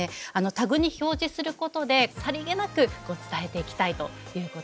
タグに表示することでさりげなく伝えていきたいということなんですね。